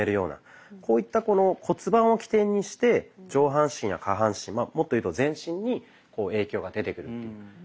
こういった骨盤を起点にして上半身や下半身もっというと全身に影響が出てくるっていう。